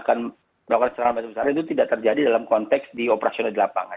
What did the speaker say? bahwa serangan besar besaran itu tidak terjadi dalam konteks di operasional di lapangan